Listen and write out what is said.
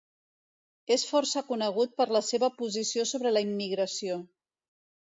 És força conegut per la seva posició sobre la immigració.